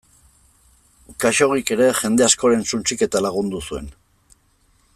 Khaxoggik ere jende askoren suntsiketan lagundu zuen.